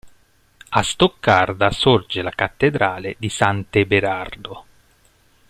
A Stoccarda sorge la concattedrale di Sant'Eberardo.